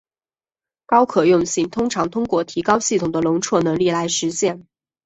高可用性通常通过提高系统的容错能力来实现。